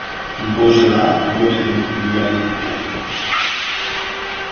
Bourgelat wurde in Lyon geboren.